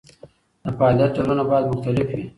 د فعالیت ډولونه باید مختلف وي.